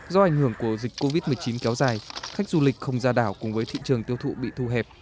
do ảnh hưởng của dịch covid một mươi chín kéo dài khách du lịch không ra đảo cùng với thị trường tiêu thụ bị thu hẹp